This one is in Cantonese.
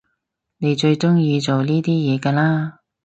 你最中意做呢啲嘢㗎啦？